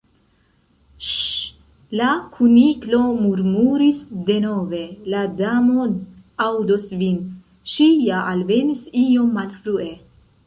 "Ŝ—!" la Kuniklo murmuris denove "la Damo aŭdos vin. Ŝi ja alvenis iom malfrue.